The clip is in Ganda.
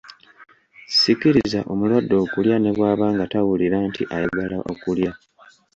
Sikiriza omulwadde okulya ne bw’aba nga tawulira nti ayagala okulya.